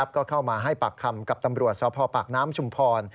ก็เข้ามาให้ปากคำกับตำรวจสพปากน้ำชุมพร